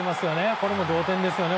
これも同点ですよね。